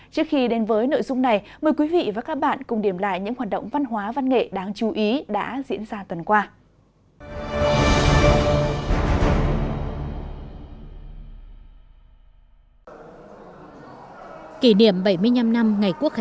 trước khi đến với nội dung này mời quý vị và các bạn cùng điểm lại những hoạt động văn hóa văn nghệ đáng chú ý đã diễn ra tuần qua